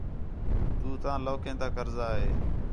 تو تاں لوکین تا قرضہ ہِے